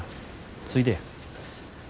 ついでや。